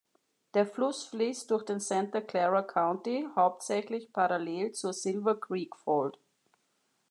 Der Fluss fließt durch den Santa Clara County, hauptsächlich parallel zur Silver Creek Fault.